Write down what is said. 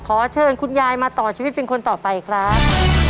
ขอเชิญคุณยายมาต่อชีวิตเป็นคนต่อไปครับ